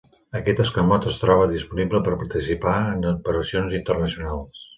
Aquest escamot es troba disponible per participar en operacions internacionals.